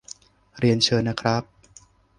เรียนเชิญนะครับ